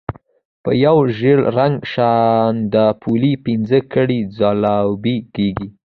په یو ژېړ رنګه شانداپولي پنځه کړۍ ځلوبۍ کېږي.